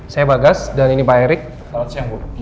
saya bagas dan ini pak erik selamat siang bu